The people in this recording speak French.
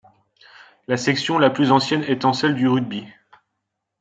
La section la plus ancienne étant celle du rugby.